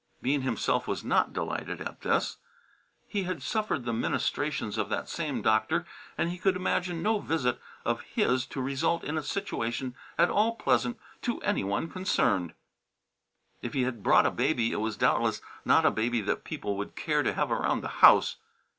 Bean himself was not delighted at this. He had suffered the ministrations of that same doctor and he could imagine no visit of his to result in a situation at all pleasant to any one concerned. If he had brought a baby it was doubtless not a baby that people would care to have around the house.